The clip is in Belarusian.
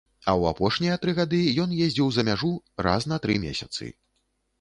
А ў апошнія тры гады ён ездзіў за мяжу раз на тры месяцы.